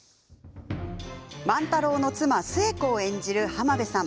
万太郎の妻、寿恵子を演じる浜辺さん。